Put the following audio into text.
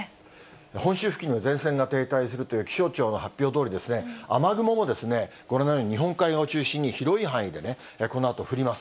本州付近の前線が停滞するという気象庁の発表どおりですね、雨雲もご覧のように、日本海側を中心に広い範囲でこのあと降ります。